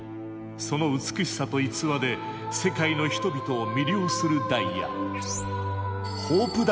その美しさと逸話で世界の人々を魅了するダイヤ。